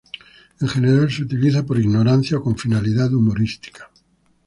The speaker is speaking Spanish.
En general, se utiliza por ignorancia o con finalidad humorística.